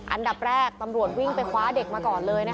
อันดับแรกตำรวจวิ่งไปคว้าเด็กมาก่อนเลย